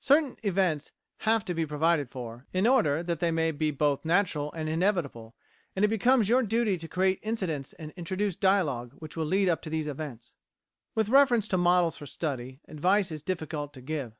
Certain events have to be provided for, in order that they may be both natural and inevitable, and it becomes your duty to create incidents and introduce dialogue which will lead up to these events. With reference to models for study, advice is difficult to give.